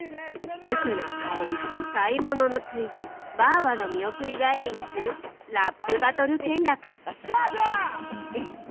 塾の帰り、買い物のついでバァバの見送り帰りにするラップバトル見学。